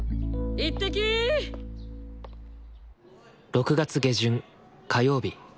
６月下旬火曜日。